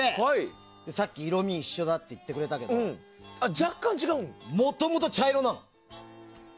さっき色味一緒だって言ってくれたけどもともと茶色なの。